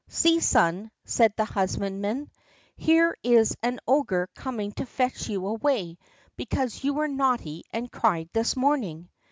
"See, son," said the husbandman, "here is an ogre coming to fetch you away because you were naughty and cried this morning."